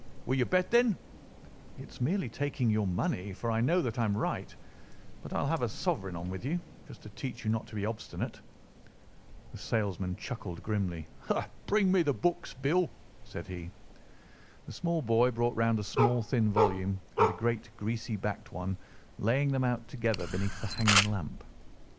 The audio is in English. "Will you bet, then?" "It's merely taking your money, for I know that I am right. But I'll have a sovereign on with you, just to teach you not to be obstinate." The salesman chuckled grimly. "Bring me the books, Bill," said he. The small boy brought round a small thin volume and a great greasy backed one, laying them out together beneath the hanging lamp.